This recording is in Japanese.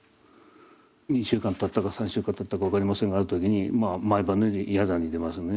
２週間たったか３週間たったか分かりませんがある時に毎晩のように夜坐に出ますね。